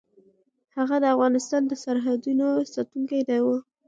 هغه د افغانستان د سرحدونو ساتونکی و.